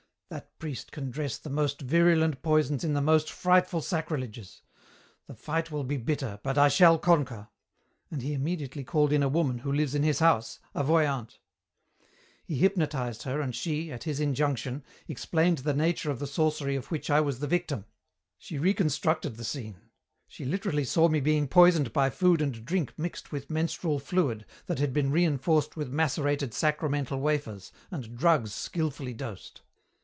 'That priest can dress the most virulent poisons in the most frightful sacrileges. The fight will be bitter, but I shall conquer,' and he immediately called in a woman who lives in his house, a voyant. "He hypnotized her and she, at his injunction, explained the nature of the sorcery of which I was the victim. She reconstructed the scene. She literally saw me being poisoned by food and drink mixed with menstrual fluid that had been reinforced with macerated sacramental wafers and drugs skilfully dosed.